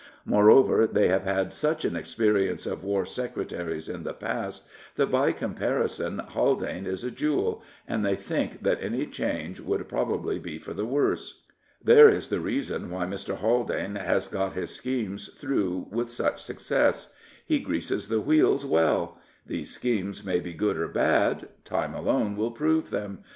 Moreover, they have had such an experience of War Secretaries in the past, that, by comparison, Haldane is a jewel, and they think that any change would probably be for the worse." There is the reason why Mr. Haldane has got his schemes through with such success. He greases the wheels well. These schemes may be good or bad. Time alone will prove them.